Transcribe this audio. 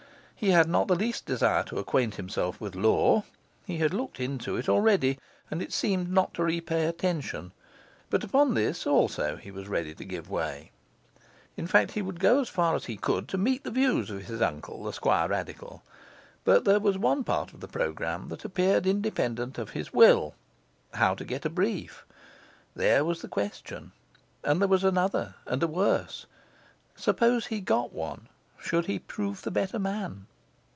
He had not the least desire to acquaint himself with law; he had looked into it already, and it seemed not to repay attention; but upon this also he was ready to give way. In fact, he would go as far as he could to meet the views of his uncle, the Squirradical. But there was one part of the programme that appeared independent of his will. How to get a brief? there was the question. And there was another and a worse. Suppose he got one, should he prove the better man?